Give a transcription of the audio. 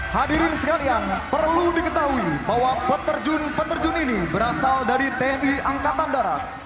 hadirin sekalian perlu diketahui bahwa peterjun peterjun ini berasal dari tni angkatan darat